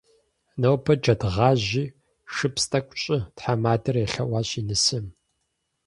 Нобэ джэд гъажьи шыпс тӏэкӏу щӏы, - тхьэмадэр елъэӏуащ и нысэм.